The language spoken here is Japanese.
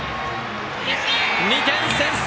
２点先制！